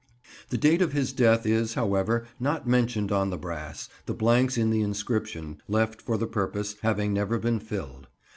The date of his death is, however, not mentioned on the brass, the blanks in the inscription, left for the purpose, having never been filled.